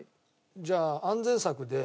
じゃあ安全策で。